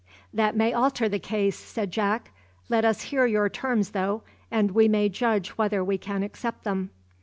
"That may alter the case," said Jack. "Let us hear your terms though, and we may judge whether we can accept them."